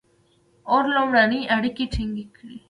• اور لومړنۍ اړیکې ټینګې کړې.